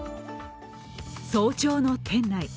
早朝の店内。